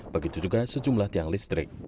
begitu juga sejumlah tiang listrik